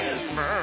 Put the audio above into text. あ？